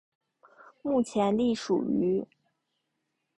目前隶属于。